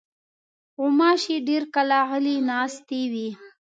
غوماشې ډېر کله غلې ناستې وي.